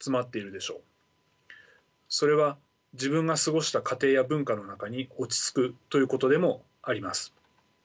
それは自分が過ごした家庭や文化の中に落ち着くということでもあります。